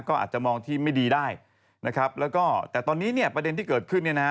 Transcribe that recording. ก็อาจจะมองที่ไม่ดีได้นะครับแล้วก็แต่ตอนนี้เนี่ยประเด็นที่เกิดขึ้นเนี่ยนะฮะ